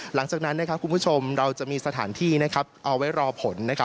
หลังจากนั้นคุณผู้ชมเราจะมีสถานที่เอาไว้รอผล